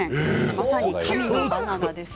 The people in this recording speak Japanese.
まさに神のバナナです。